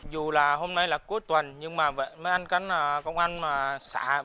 dù là hôm nay là cuối tuần nhưng mà mấy anh cán công an xã vẫn rất là nhiệt tình